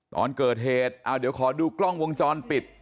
ตอนเกิดเหตุเอาเดี๋ยวขอดูกล้องวงจรปิด